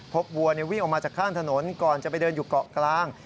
วัววิ่งออกมาจากข้างถนนก่อนจะไปเดินอยู่เกาะกลาง